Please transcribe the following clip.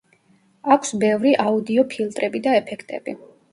აქვს ბევრი აუდიო–ფილტრები და ეფექტები.